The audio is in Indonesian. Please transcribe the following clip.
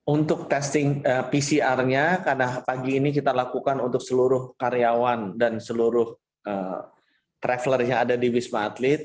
untuk testing pcr nya karena pagi ini kita lakukan untuk seluruh karyawan dan seluruh traveler yang ada di wisma atlet